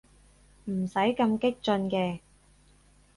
唔使咁激進嘅